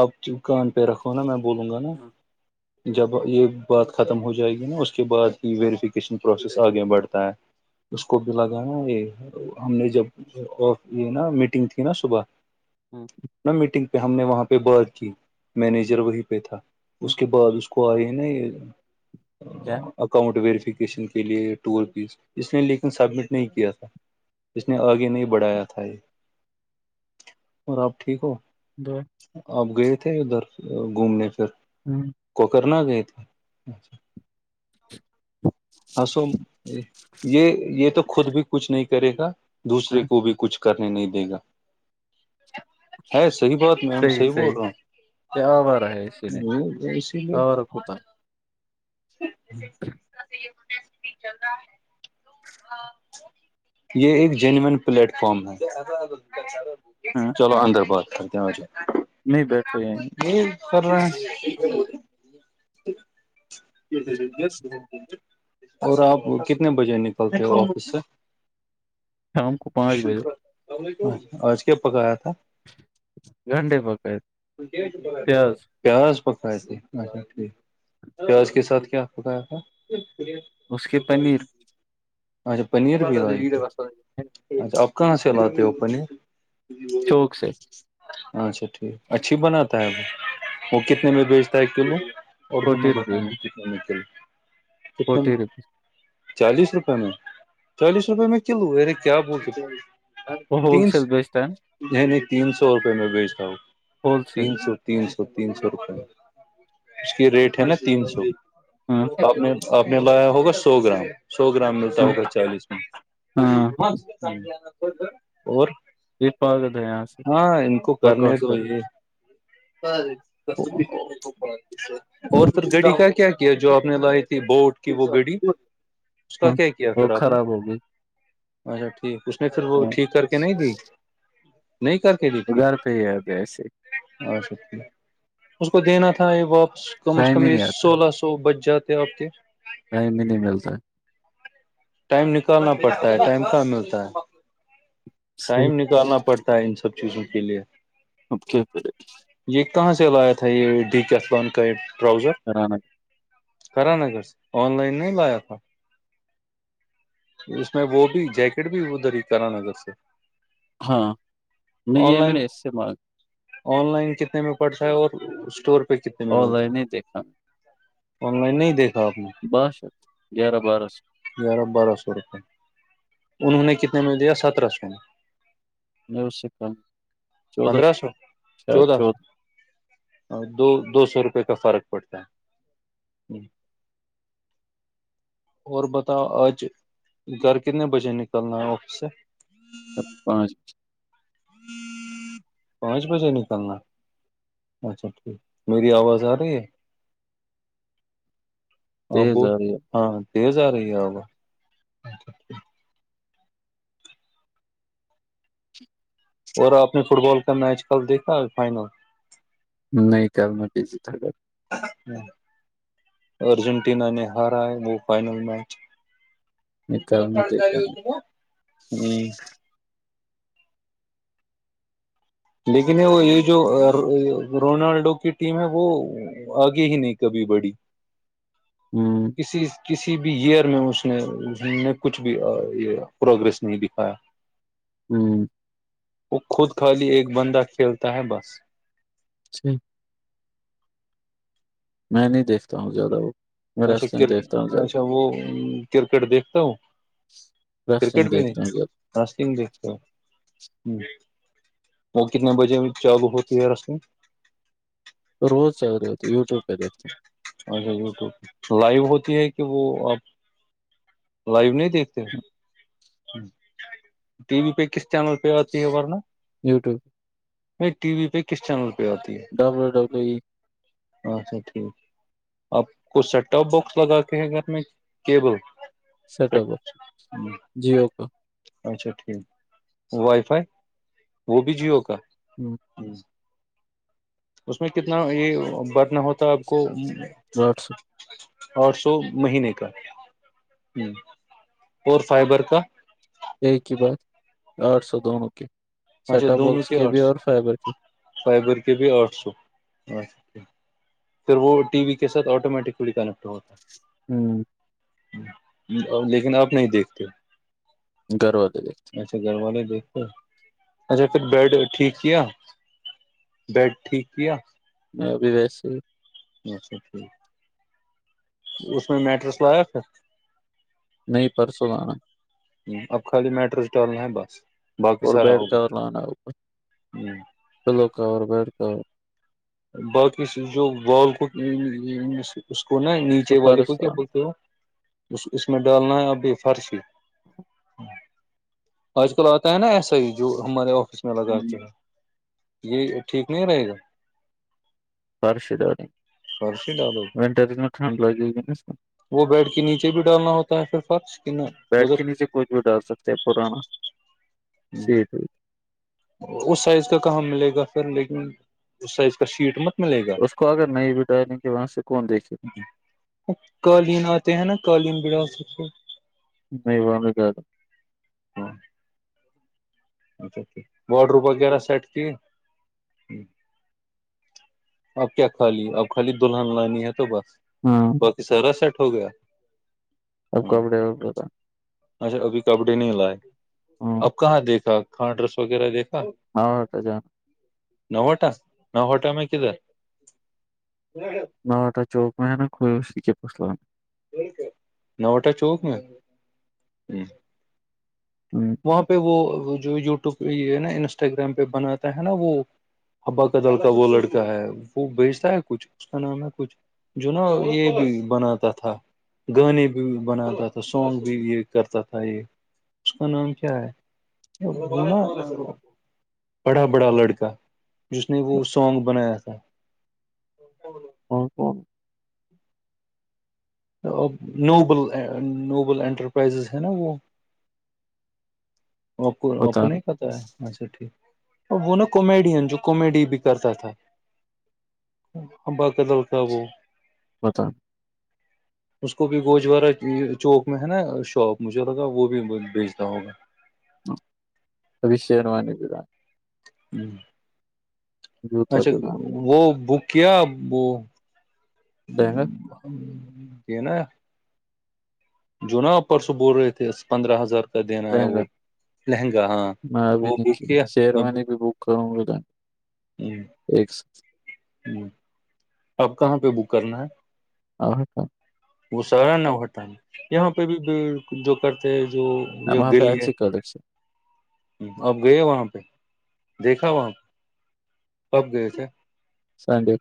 آپ کان پہ رکھو نا میں بولوں گا نا جب یہ بات ختم ہو جائے گی نا اس کے بعد ہی ویریفکیشن پروسیس آگے بڑھتا ہے اس کو بھی لگانا یہ ہے تو ہم نے جب یہ نا میٹنگ تھی نا صبح ہاں نہا میٹنگ پہ ہم نے وہاں پہ بات کی مینیجر وہیں پہ تھا اس کے بعد اس کوئی نہیں کیا اکاؤنٹ ویریفیکیشن کے لیے ٹول فیس اس نے لیکن سبمٹ نہیں کیا تھا اس نے آگے نہیں بڑھایا تھا یہ اور آپ ٹھیک ہو دو آپ گئے تھے ادھر گھومنے پھر ہوں کوکرناگ ہے تھ ہ سو یہ یہ تو خود بھی کچھ نہیں کرے گا دوسرے کو بھی کچھ کرنے نہیں دے گا ہے صحی بات صحیح سی کیا آوارہ ہے اسی لیے رہا آوارہ کتا ہوں چلا یہ ایک جینیین پلیٹ فم میں ہاں چلو اندر بت کرتے آ ج نہیں بیٹھو یہیں یہ س [unintelligible] [inaudible] اور آپ کتنے بجے نکلتے ہو آفس شام کو پانچ بجے آج کیا پکایا تھا گنڈے پکائے ج چ ب د [unintelligible] پیاز [inaudible] پیاز پکائے تھے اچھا ٹھیک پیاز کے ساتھ کیا پکایا تھا اچھا پنیر پات بھی لائی وڈ تھی۔ بس اچھا آپ کہاں سے لاتے ہو پنیر چوک سے اچھا ٹھیک اچھی بناتا ہے وہ وہ کتنے میں بھیج طے کرلو اور فورٹی د بتان روپیز میں چل چک فورٹی روپیز چالیس روپئے میں چالیس روپئے میں کلو ارے کیا کے وہ ہول تین سیل سو بیچتا ہے یعنی تین سو روپے میں بیچتا ہوں ہول سیل تین سو تین سو تین سو روپے اس کی ریٹ ہے نا تین سو تو آپ نے آپ نے لایا ہوگا سو گرام سو گرام میں ہوگا چالیس ہاں اور یہ پاگل ہے یہاں سے ہاں ان کو کرنے تو یہ اور گڑی کا کیا کیا جو آپ نے لائی تھی بوٹ کی وہ گڑی اس کا کیا کیا وہ پھر آپ نے خراب ہو گئی اچھا ٹھیک اس نے پھر وہ ٹھیک کر کے نہیں دی نہیں کر کے دی گھر پہ ہی آ گیا ایسے اس کو دینا تھا یہ واپس کم از ٹائم کم ہی یہ نہیں آتا سولہ سو بچ جاتے آپ کے ٹائم بھی نہیں ملتا ٹائم نکالنا پڑتا ہے ٹائم کہ ملتا ہے ٹائم نکالنا پڑتا ہے ان سب چیزوں کے لیے اوکے پھر یہ کہاں سے لایا تھا یہ ڈیک اتلان کا یہ ٹراؤزر سران خرا ناگرس آن لائن نہیں لاق تھا اس میں وہ بھی جیکٹ بھی ادھر ہی کرارا نگر سے ہاں نہیں آن یہ میں لائن نے اس سے مانگ آن لائن کتنے میں پڑتا ہے اور اسٹور پہ کتنے میں آن ملتا لائن نہیں دیکھا ہے آن لائن نہیں دیکھا آپ نے بارہ سو گیارہ بارہ سو گیارہ بارہ سو روپئے انہوں نے کتنے میں دیا سترہ سو میں نیو سکم پندرہ سو چودودہ سو چودہ دو دو سو روپے کا فرق پڑتا ہے [inaudible] اور بتاؤ آج گھر کتنے بجے نکلنا ہے آفس سے سب پانچ پانچ بجے نکلنا اچھا ٹھیک میری آواز آ رہی ہے ابو تیز آ رہی ہاں تیز آ رہی ہے اب اچھا اچھا اور آپ نے فٹ بال کا میچ کل دیکھا ہے فائنل نہیں کرنا چیزی تھا ہاں ارجنٹینا نے ہارا ہے وہ فائنل میچ نہیں کل ملب میں ان دیکھ- داری ہو س میں لیکن یہ وہ یہ جو رونالڈو کی ٹیم ہے وہ آگے ہی نہیں کبھی بڑی ہوں کسی کسی بھی ایئر میں اس نے نے کچھ بھی یہ پروگریس نہیں دکھایا ہوں وہ خود خالی ایک بندہ کھیلتا ہے بس جچھ [inaudible] میں نہیں دیکھتا ہوں زیادہ وہ میں اچھا ریسلنگ کر دیکھتا ہوں اچھا زیادہ وہ کرکٹ دیکھتا ہوں رستے میں دیکھتے ہیں جب رصم دیکتے ہ وہ کتنے بجے چاقو ہوتی ہے رس میں روز چل رہےتے ہیں یوٹیو پہ دیکھتے ہیں اچھا یوٹیوب پہ لائو ہوتی ہے کہ وہ آپ لائیو نہیں دیکھتے ٹی وی پہ کس چینل پہ آتی ہے ورنہ ہوں یوٹیوب ٹی وی پہ کس چینل پہ آتی ہے ڈبلو ڈبلو ای اچھا ٹھیک آپ کوچ سیٹ ٹاپ باکس لگا کے ہیں گھر میں کیبل سیٹ سچ اپ ہ [inaudible] جیو کا [unintelligible] اچھا ٹھیک وائی فائی وہ بھی جیو کا ہوں [unintelligible] جی [unintelligible] اس میں کتنا یہ رن ہوتا آپ کو وٹس [unintelligible] اور سو مہینے کا ہ ایک ہی بات آٹھ سو دونوں کی [unintelligible] اچھا سیٹاپ دونوں باکس کے آٹھ بھی سو اور فائبر کی فائبر کے بھی آٹھ سوچ [unintelligible] پھر وہ ٹی وی کے ساتھ آٹومیٹیکلی کنیکٹ ہوتا ہے ہوں [unintelligible] لیکن آپ نہیں دیکھتے گروادے اچھا گھر والے دیکھے اچھا پھر بیڈ ٹھیک کیا [unintelligible] بیڈ ٹھیک کیا [unintelligible] میں ابھی ویسے ہی اچھا ٹھیک [unintelligible] اس میں میٹرس لاق تھا نہیں پرسوں لانا ہ اب خالی میٹروزٹالنا ہے بس باقی اور سارا بیڈ ہوگا کور لانا چلو کور بیڈ کور بقی س جو بالکو س اس کو نا نیچے والے کو فرش کیا بولتے ہو اس میں ڈالنا ہے ابھی فرش ہی آج کل آتا ہے نا ایسا ہی جو ہمارے آفس میں لگا کے ہے یہ ٹھیک نہیں رہے گا فرش دو نےے [unintelligible] سرسی ڈلو وینرھنڈ لگے گ ج [unintelligible] وہ بیڈ کے نیچے بھی ڈالنا ہوتا ہے پھر فرش کہ نہ بیڈ ادھر کے نیچے کچھ بھی ڈال سکتے ہیں پرانا جی ٹھیک اس سائز کا کہاں ملے گا پھر لیکن اس سائز کا شیٹ مت ملے گا اس کو اگر نہیں ڈائنگ کے وہاں سے کون دیکھے [unintelligible] قالین آتے ہیں نا قالین بڑا سکتے نہیں زیادہ ہاں اچھا اچھا واڈ رووم وغیرہ سیٹ کیے اب کیا خالی اب خالی دلہن لانی ہے تو بس ہاں باقی سارا سیٹ ہو گیا اب ہ کپڑے وپڑے تھا اچھا کبھی کپڑے نہیں لائے ہاں اب کہاں دیکھا کاں ڈرس وغیرہ دیکھا ہاںٹا جانا نوٹا نوٹا میں کہدر ہ [unintelligible] نوٹا چوک میں ہے نا کئی س کے پسلام نوٹا چوک میں ہ [unintelligible] وہاں پہ وہ جو یوٹیوب پہ یہ ہے نا انسٹاگررام پہ بناتا ہے نا وہ ہبا کا جل کاا وہ لڑک ہے وہ بیجتا ہے کچھ اس کا نام ہے کچھ جو نا یہ بناتا تھا گانے بھی بناتا تھا سانگ بھی یہ کرتا تھا یہ اس کا نام کیا ہے بڑا بڑا لڑکا جس نے وہ سانگ بنایا تھا ہاں کون نوبل نوبل انٹرپرائزز ہے نا وہ کو نہیں کہتا ہے اچھا ٹھیک اور وہ نا کومیڈین جو کامیڈی بھی کرتا تھا ہمباق دل کا وہو ہوتا [unintelligible] اس کو بھی گوجوارہ چوک میں ہے نا شاپ مجھے لگا وہ بھی بھیجتا ہوگا اب شروانا ہوں جوتا اچھا بھی لانا وہ بک کیا وہ لہنگا یہ نا جو نا پرسوں بول رہے تھے پندرہ ہزار دینا ہے وہ لہنگا لہنگا ہاں میں ابھی وہ نہیں بک کیا شیروانی بھی بک کروں ایک آپ کہاں پہ بک کرنا ہے اور وہ سارا نہ ہوتا ہے یہاں پہ بھی جو کرتے ہیں جو وہاں پہ اچھی کالیک سے اب گئے وہاں پہ دیکھا وہاں پہ کب گئے تھے سڈے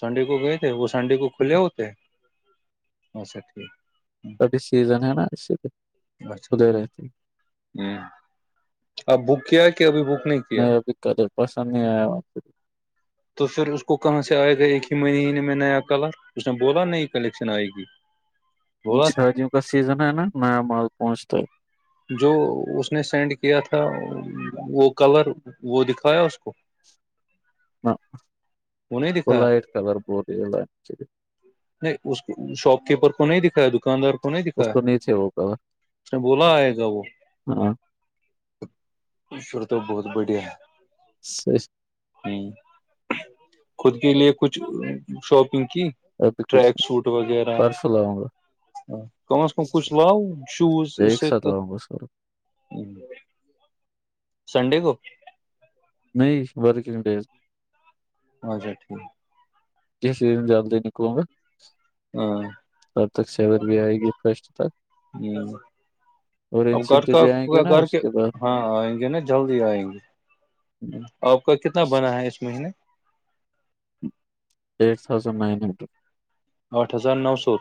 سنڈے کو گئے تھے وہ سنڈے کو کھلے ہوتے اچھا ٹھیک سیزن ہے نا اس خدے رہتی ہے ہ اب بک کیا کہ ابھی بک نہیں کیا میں ابھی کدھی پسند نہیں آیا [inaudible] تو پھر اس کو کہاں سے آئے گا ایک ہی منیینے میں نیا کلر اس نے بولا نئی کلیکشن آئے گی [unintelligible] شادیوں کا سیزن ہے نا نیا مال پہنچتا ہے جو اس نے سینڈ کیا تھا وہ کلر وہ دکھایا اس کو ہاں نہیں وہ دکھایا لائٹ کلر ب رہ ہے لائ [inaudible] نہیں اس شاپ کیپر کو نہیں دکھایا دکاندار کو کو نہیں اس نہیں تھے وہ کلر دکھا بولا آئے گا وہ ہاں شر تو بہت بڑیا ہے ای [inaudible] ہ خود کے لیے کچھ شاپنگ کی ابھی کوئی ٹریک سوٹ وغیرہ پرسوں لاؤں کم از کم کچھ لاؤ شوز گا ایک اسے ساتھ لاؤں گا سارا سنڈے کو نہیں ورکنگ ڈیز اچھا ٹھیک ہے جیس زیااندہ نہیںکوںں گا [inaudible] ہاں تب تک سیون بھی آئے گی فرسٹ تک ہی [inaudible] اور اب گھر انسینٹو کا بھی آئیں گے گھر اس کے بعد ہاں آئیں گے نا جلدی آئیں گے آپ کا کتنا بنا ہے اس مہینے ایٹ تھازنڈ نائن ہنڈ [inaudible] آٹھ ہزار نو سو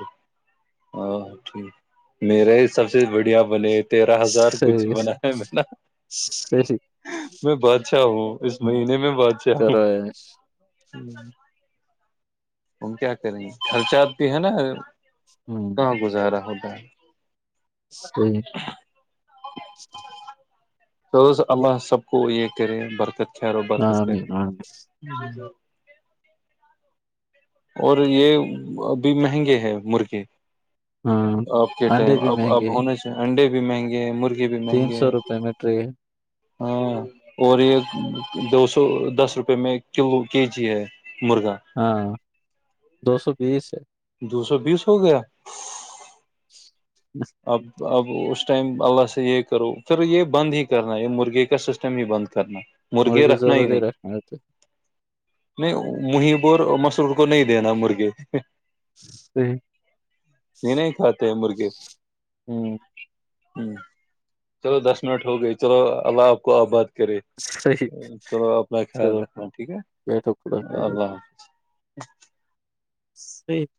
ا ٹھیک میرے سب سے بڑھیا بنے تیرہ ہزار کچھ صحیح بنا ہے میں نا صحیح میں بادشاہ ہوں اس مہینے میں بادشاہ ہوں کرا ہے ہ ہم کیا کریں گ خرچ آتی ہے نا ہوں کہاں گزارا ہوتا ہے [inaudible] ہ [inaudible] تو اما سب کو یہ کرے برکت ک رہو برکت کرے آمین آمین [inaudible] اور یہ ابھی مہنگے ہے مرغے ہاں آپ کے ٹائم انڈے بھی اب اب مہنگے ہونااہ انڈے بھی مہنگے ہیں مرغے بھی تین مہنگے سو ہیں روپے میں ٹرے ہے ہاں اور یہ دو سو دس روپے میں کلو کے جی ہے مرغا ہاں دو سو بیس ہے دو سو بیس ہو گیا بس [inaudible] اب اب اس ٹائم اللہ سے یہ کرو پھر یہ بند ہی کرنا ہے یہ مرغے کا سسٹم ہی بند کرنا مرغیا لیے رکھنا ہی ضروری نہیں رکھنا ہے تو نہیں مہ ب مسرور کو نہیں دینا مرغے یہ نہیں کھاتے ہیں مرغے ہوں ہ چلو دس منٹ ہو گئی چلو اللہ آپ کو آباد کرے صحیح چلو اپنا خیال چلو رکھنا ٹھیک ہے اللہ حافظ سی [inaudible]